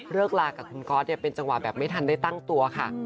ลากับคุณก๊อตเป็นจังหวะแบบไม่ทันได้ตั้งตัวค่ะ